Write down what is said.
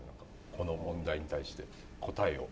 この問題に対して答えを。